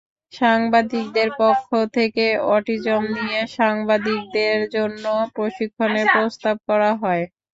সাংবাদিকদের পক্ষ থেকে অটিজম নিয়ে সাংবাদিকদের জন্য প্রশিক্ষণের প্রস্তাব করা হয়।